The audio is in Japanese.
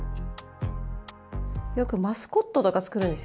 よくマスコットとか作るんですよ。